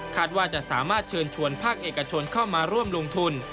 ว่าจะสามารถเชิญชวนภาคเอกชนเข้ามาร่วมลงทุน